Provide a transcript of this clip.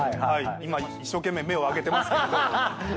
今一生懸命目を上げてますけれど。